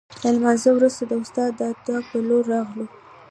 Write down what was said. له لمانځه وروسته د استاد د اتاق په لور راغلو.